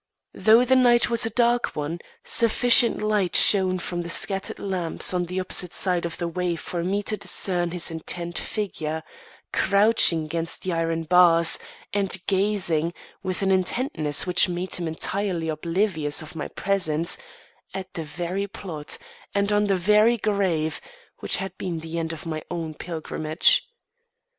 Though the night was a dark one, sufficient light shone from the scattered lamps on the opposite side of the way for me to discern his intent figure, crouching against the iron bars and gazing, with an intentness which made him entirely oblivious of my presence, at the very plot and on the very grave which had been the end of my own pilgrimage.